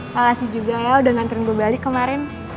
makasih juga ya udah nganterin gue balik kemarin